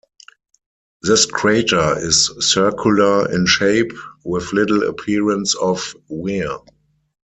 This crater is circular in shape, with little appearance of wear.